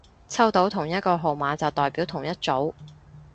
抽到同一個號碼就代表同一組